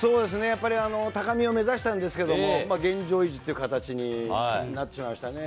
やっぱり高みを目指したんですけれども、現状維持という形になってしまいましたね。